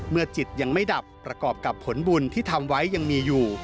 จิตยังไม่ดับประกอบกับผลบุญที่ทำไว้ยังมีอยู่